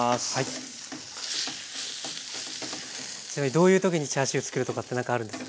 どういう時にチャーシューつくるとかってあるんですか？